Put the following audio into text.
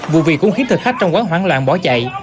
vụ việc cũng khiếp thực khách trong quán hoãn loạn bỏ chạy